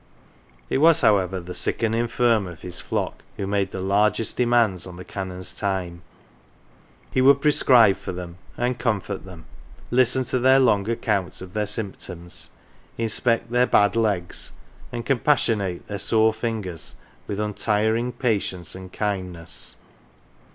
It was, however, the sick and infirm of his flock who made the largest demands on the Canon's time ; he would prescribe for them, and comfort them ; listen to long accounts of their symptoms, inspect their "bad legs," and compassionate their sore fingers with untiring patience and kindness.